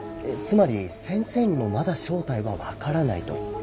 つまり先生にもまだ正体は分からないと？